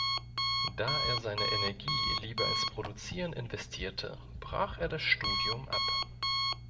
Da er seine Energie lieber ins Produzieren investierte, brach er das Studium ab.